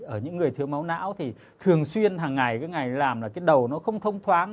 ở những người thiếu máu não thì thường xuyên hàng ngày cái ngày làm là cái đầu nó không thông thoáng